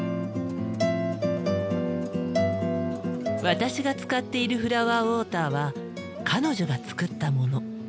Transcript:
私が使っているフラワーウォーターは彼女が作ったもの。